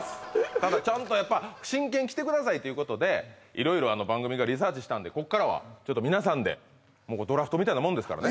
ただちゃんとやっぱ真剣に来てくださいということで色々番組がリサーチしたんでこっからはちょっと皆さんでもうこうドラフトみたいなもんですからね